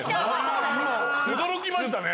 驚きましたね。